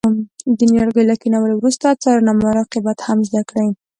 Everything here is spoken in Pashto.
د نیالګیو له کینولو وروسته څارنه او مراقبت هم زده کړئ.